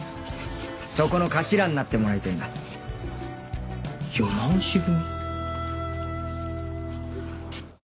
そこの頭になってもらいてぇんだ世直し組？